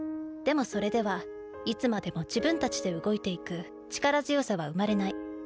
でもそれではいつまでも自分たちで動いていく力強さは生まれない。